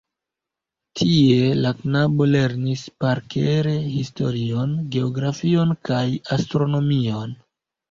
Tie la knaboj lernis parkere historion, geografion kaj astronomion.